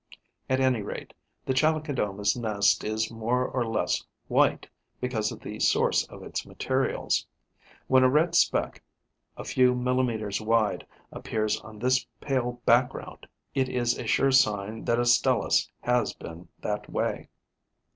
At any rate, the Chalicodoma's nest is more or less white because of the source of its materials. When a red speck, a few millimetres wide, appears on this pale background, it is a sure sign that a Stelis has been that way.